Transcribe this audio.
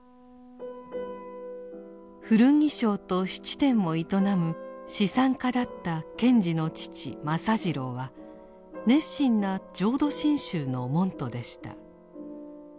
古着商と質店を営む資産家だった賢治の父政次郎は熱心な浄土真宗の門徒でした。